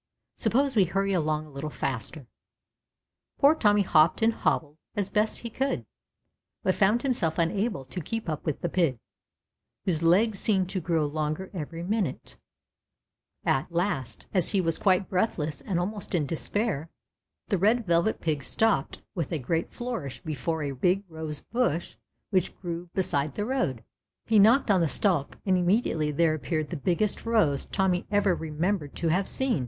Suppose we hurry along a little faster." Poor Tommy hopped and hobbled as best he could, but found himself unable to keep up with the pig, whose legs seemed to grow longer every minute. At THE RED VELVET PIG. 291 last^ as he was quite breathless and almost in despair, the Red Velvet Pig stopped with a great flourish before a big rose bush which grew beside the road. He knocked on the stalk and immediately there appeared the biggest rose Tommy ever remembered to have seen.